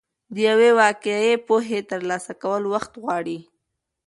د یوې واقعي پوهې ترلاسه کول وخت غواړي.